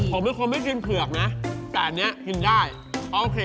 ผมเป็นคนไม่กินเผือกนะแต่อันนี้กินได้โอเค